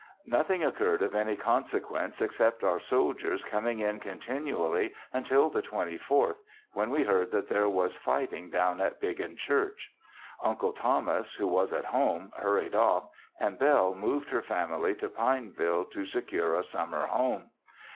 Nothing occurred of any consequence except our soldiers coming in continually, until the 24th, when we heard that there was fighting down at Biggin Church. Uncle Thomas, who was at home, hurried off, and Belle moved her family to Pineville to secure a summer home.